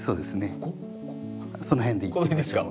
その辺でいってみましょう。